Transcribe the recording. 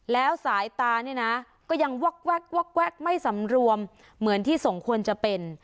แล้วสายตาเนี่ยนะก็ยังวอกไม่สำรวมเหมือนที่สมควรจะเป็น